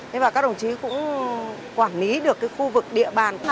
thế và các đồng chí cũng quản lý được cái khu vực địa bàn